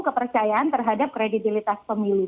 kepercayaan terhadap kredibilitas pemilih